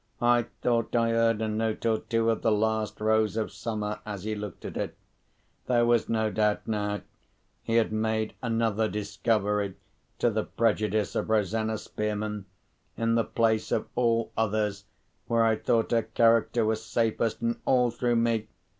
I thought I heard a note or two of "The Last Rose of Summer" as he looked at it. There was no doubt now! He had made another discovery to the prejudice of Rosanna Spearman, in the place of all others where I thought her character was safest, and all through me!